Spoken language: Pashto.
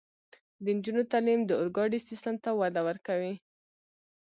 د نجونو تعلیم د اورګاډي سیستم ته وده ورکوي.